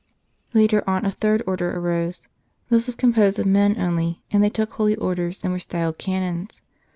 Later on a third 82 The Humble Ones Order arose ; this was composed of men only, and they took Holy Orders and were styled Canons.